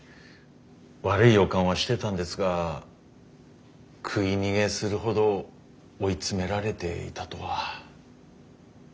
悪い予感はしてたんですが食い逃げするほど追い詰められていたとは。